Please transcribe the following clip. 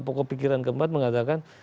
pokok pikiran keempat mengatakan